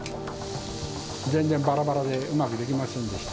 全然ばらばらで、うまくできませんでした。